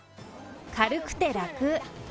軽くて楽。